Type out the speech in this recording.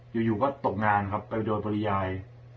อยู่ก็ตกงานครับไปโดยปริยาย